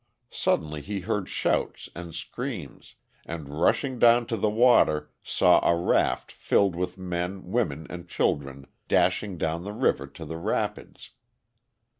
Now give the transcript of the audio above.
Suddenly he heard shouts and screams, and rushing down to the water saw a raft filled with men, women, and children, dashing down the river to the rapids.